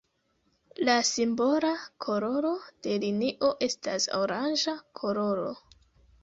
La simbola koloro de linio estas oranĝa koloro.